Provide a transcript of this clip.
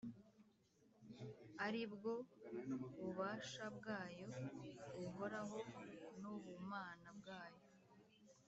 “ari bwo bubasha bwayo buhoraho n’ubumana bwayo